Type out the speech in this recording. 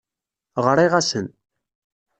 Ɣriɣ-asen.